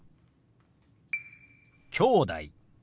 「きょうだい」。